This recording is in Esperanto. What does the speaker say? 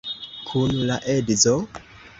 Kun la edzo?